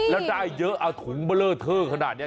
แล้วได้เยอะอะถุงบัลเวอร์เท่าขนาดนี้